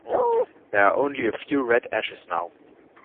There are only a few red ashes now.